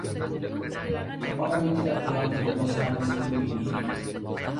Apakah dia tidak pulang ke rumah selama seminggu ini..?